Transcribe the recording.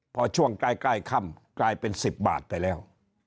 พอช่วงใกล้ค่ำกลายเป็น๑๐บาทไปแล้ว